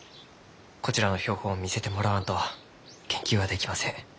こちらの標本を見せてもらわんと研究はできません。